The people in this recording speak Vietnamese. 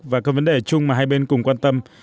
và các vấn đề chung mà hai bên cùng quan tâm